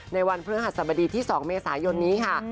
ในวันพฤหัสบดีที่๒เมษายนนี้ค่ะ